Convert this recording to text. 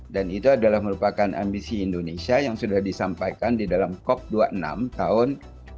dan itu adalah merupakan ambisi indonesia yang sudah disampaikan di dalam cop dua puluh enam tahun dua ribu enam puluh